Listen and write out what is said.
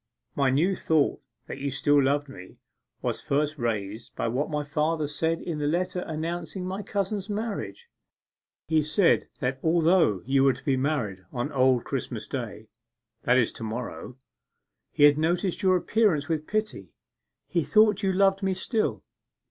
My new thought that you still loved me was first raised by what my father said in the letter announcing my cousin's marriage. He said that although you were to be married on Old Christmas Day that is to morrow he had noticed your appearance with pity: he thought you loved me still.